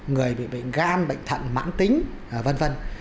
người bị bệnh gan bệnh thận mãn tính v v